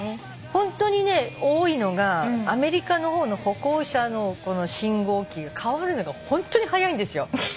ホントにね多いのがアメリカの方の歩行者の信号機が変わるのがホントに早いんですよ。